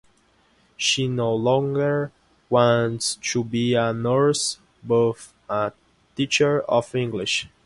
She no longer wants to be a nurse but a teacher of English.